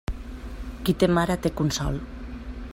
Qui té mare té consol.